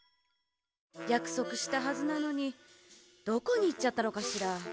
やくそくしたはずなのにどこにいっちゃったのかしら？